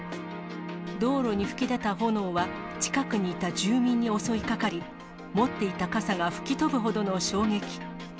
道路に噴き出た炎は近くにいた住民に襲いかかり、持っていた傘が吹き飛ぶほどの衝撃。